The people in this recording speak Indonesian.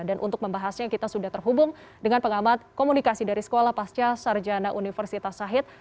dan untuk membahasnya kita sudah terhubung dengan pengamat komunikasi dari sekolah pasca sarjana universitas sahid